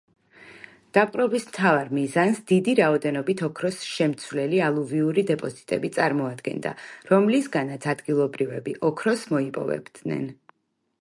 დაპყრობის მთავარ მიზანს დიდი რაოდენობით ოქროს შემცველი ალუვიური დეპოზიტები წარმოადგენდა, რომლისგანაც ადგილობრივები ოქროს მოიპოვებდნენ.